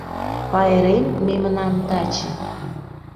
Пайрем мемнан таче.